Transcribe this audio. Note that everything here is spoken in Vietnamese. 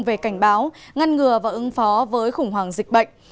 về cảnh báo ngăn ngừa và ứng phó với khủng hoảng dịch bệnh